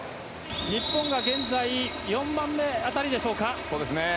日本が現在、４番目あたりでしょうか。